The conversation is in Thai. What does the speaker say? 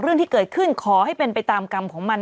เรื่องที่เกิดขึ้นขอให้เป็นไปตามกรรมของมัน